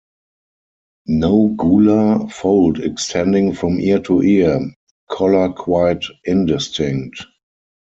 No gular fold extending from ear to ear; collar quite indistinct.